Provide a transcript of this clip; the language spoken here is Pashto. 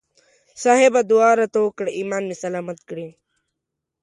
صاحبه دعا راته وکړه ایمان مې سلامت کړي.